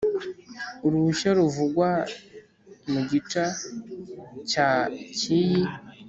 uruhushya ruvugwa mu gica cya cy iyi